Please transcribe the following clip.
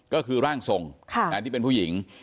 ก็คือร่างทรงที่เป็นผู้หญิง